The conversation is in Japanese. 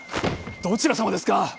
どちら様ですか？